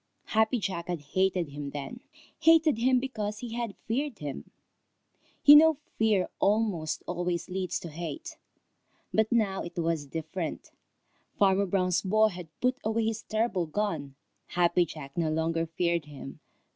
Happy Jack had hated him then, hated him because he had feared him. You know fear almost always leads to hate. But now it was different. Farmer Brown's boy had put away his terrible gun. Happy Jack no longer feared him.